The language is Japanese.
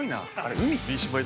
◆海！？